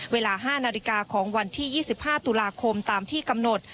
เวลา๕นาฬิกาของวันที่๒๕ตุลาคมตามที่กำหนด